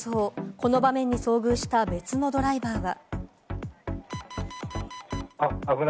この場面に遭遇した別のドライバーは。